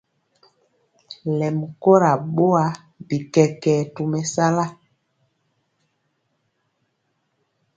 Lɛmi kora boa, bi kɛkɛɛ tɔmesala.